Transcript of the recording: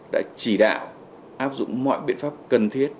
đã chỉ đạo áp dụng mọi biện pháp cần thiết